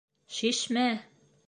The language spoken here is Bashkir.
Шишмә!